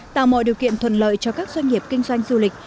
tạo mọi điều kiện thuận lợi cho các doanh nghiệp kinh doanh du lịch